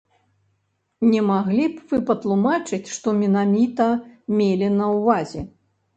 Не маглі б вы патлумачыць, што менавіта мелі на ўвазе?